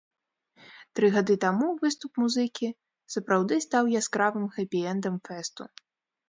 Тры гады таму выступ музыкі сапраўды стаў яскравым хэпі-эндам фэсту.